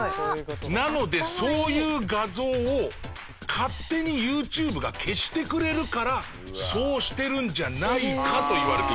なのでそういう画像を勝手にユーチューブが消してくれるからそうしてるんじゃないかといわれています。